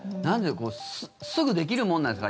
すぐできるもんなんですか？